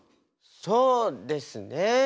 そうですね。